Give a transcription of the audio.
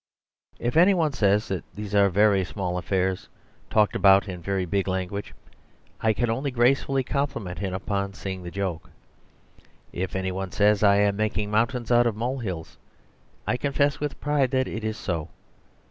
If anyone says that these are very small affairs talked about in very big language, I can only gracefully compliment him upon seeing the joke. If anyone says that I am making mountains out of molehills, I confess with pride that it is so.